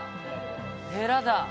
ヘラだ！